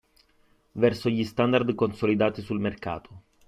Verso gli standard consolidati sul mercato.